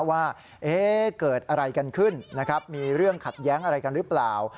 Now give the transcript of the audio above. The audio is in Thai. ว่าเกิดอะไรกันขึ้นนะครับมีเรื่องขัดแย้งอะไรกันหรือเปล่า